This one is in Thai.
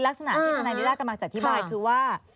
ลักษณะที่ทนายนิล่ากำลังจะอธิบายคือว่า